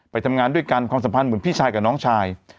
ไปทำงานด้วยกันความสัมพันธ์เหมือนพี่ชายกับน้องชาย